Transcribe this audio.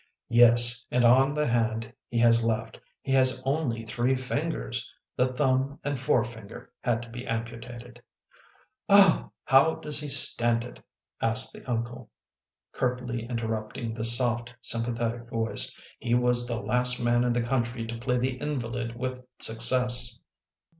" Yes, and on the hand he has left he has only three fingers. The thumb and forefinger had to be ampu tated." "Oh!" ..." How does he stand it ?" asked the uncle, curtly interrupting the soft, sympathetic voice. " He was the last man in the country to play the invalid with success."